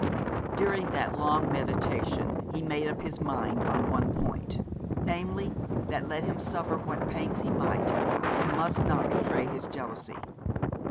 During that long meditation he made up his mind on one point, namely, that, let him suffer what pangs he might, he must not betray his jealousy.